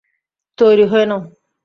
তৈরি হয়ে নাও।